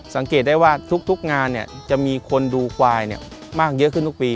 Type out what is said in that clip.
สังเกตได้ว่าทุกงานจะมีคนดูควายมากเยอะขึ้นทุกปี